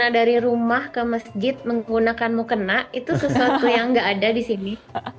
dari rumah ke masjid menggunakan mukena itu sesuatu yang nggak ada di sini